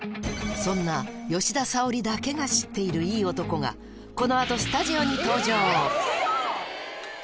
そんな、吉田沙保里だけが知っているいい男が、このあとスタジオに登場。